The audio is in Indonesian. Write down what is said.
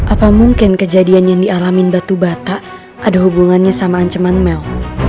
apa mungkin kejadian yang dialami batu batak ada hubungannya sama ancaman mel